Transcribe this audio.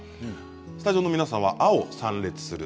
スタジオの皆さんは青・参列する。